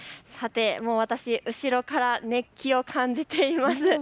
私、後ろから熱気を感じています。